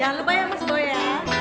jangan lupa ya mas boy ya